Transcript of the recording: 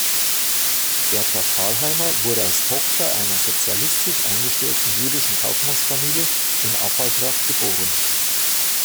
Bertha Thalheimer wurde als Tochter einer sozialistisch eingestellten jüdischen Kaufmannsfamilie in Affaltrach geboren.